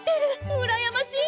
うらやましい！